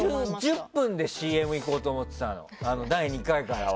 １０分でＣＭ行こうと思ってたの、第２回からは。